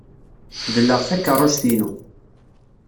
Dleɣ takeṛṛust-inu.